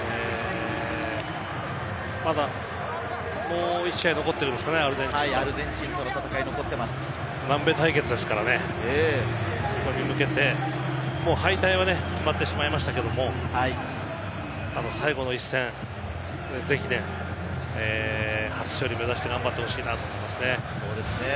まだもう１試合残ってるんですかね、アルゼンチン戦。南米対決ですからね、そこへ向けて、もう敗退は決まってしまいましたけれども、最後の一戦、ぜひ初勝利目指して頑張ってほしいなと思いますね。